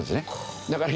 だから今ね。